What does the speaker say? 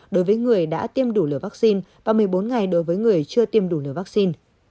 đối với người đã tiêm đủ liều vaccine và một mươi bốn ngày đối với người chưa tiêm đủ liều vaccine